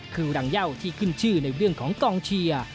คือรังเย่าที่ขึ้นชื่อในเรื่องของกองเชียร์